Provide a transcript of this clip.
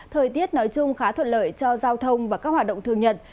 thời tiết nói chung khá thuận lợi cho giao thông và các hoạt động thường nhận